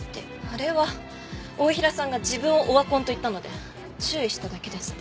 あれは太平さんが自分をオワコンと言ったので注意しただけです。